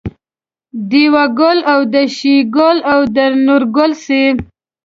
دېوه ګل او د شیګل او د نورګل سي